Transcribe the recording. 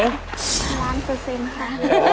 ๑ล้านเปอร์สินค่ะ